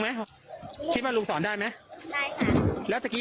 จะคิดว่าลูกสอนได้ไหม